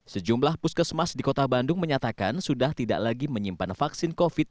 sejumlah puskesmas di kota bandung menyatakan sudah tidak lagi menyimpan vaksin covid sembilan belas